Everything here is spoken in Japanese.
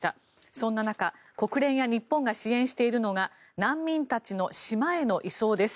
そんな中国連や日本が支援しているのが難民たちの島への移送です。